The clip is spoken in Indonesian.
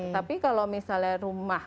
tapi kalau misalnya rumah